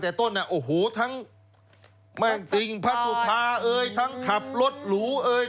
แต่ต้นน่ะโอ้โหทั้งแม่งสิงพระสุภาเอ่ยทั้งขับรถหรูเอ่ย